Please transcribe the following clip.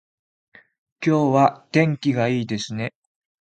今日は天気がいいですね